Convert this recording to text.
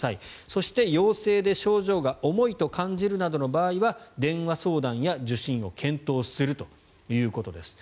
そして、陽性で症状が重いと感じるなどの場合は電話相談や受診を検討するということです。